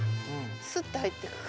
スッて入ってく。